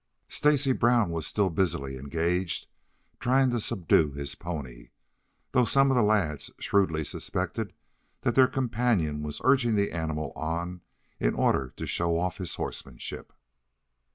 Stacy Brown was still busily engaged trying to subdue his pony, though some of the lads shrewdly suspected that their companion was urging the animal on in order to show off his horsemanship.